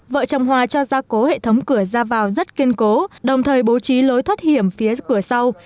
vợ chồng hòa cho ra cố hệ thống cửa ra vào rất kiên cố đồng thời bố trí lối thoát hiểm phía cửa sau